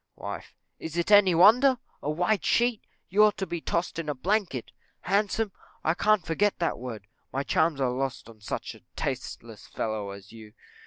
Wife. Is it any wonder? A white sheet! You ought to be tossed in a blanket. Handsome! I can't forget that word: my charms are lost on such a tasteless fellow as you.